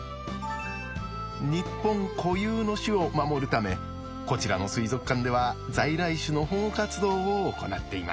日本固有の種を守るためこちらの水族館では在来種の保護活動を行っています。